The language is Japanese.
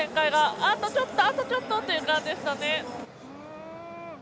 あとちょっと、あとちょっとという感じでしたね。